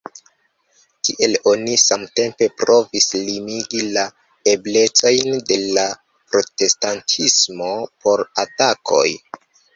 Tiel oni samtempe provis limigi la eblecojn de la protestantismo por atakoj.